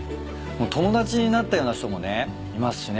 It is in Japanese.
友達になったような人もねいますしね。